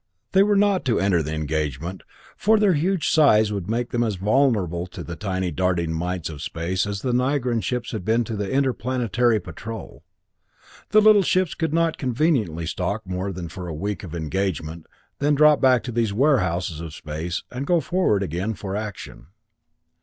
They were not to enter the engagement, for their huge size would make them as vulnerable to the tiny darting mites of space as the Nigran ships had been to the Interplanetary Patrol. The little ships could not conveniently stock for more than a week of engagement, then drop back to these warehouses of space, and go forward again for action.